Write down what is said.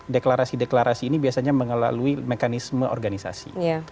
deklarasi deklarasi ini biasanya mengalami mekanisme organisasi